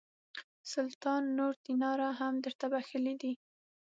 سلطان نور دیناره هم درته بخښلي دي.